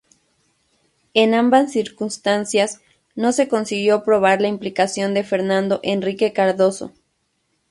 En ambas circunstancias, no se consiguió probar la implicación de Fernando Henrique Cardoso.